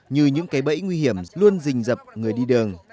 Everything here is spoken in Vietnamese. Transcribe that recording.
như những cây bẫy nguy hiểm luôn rình dập người đi đường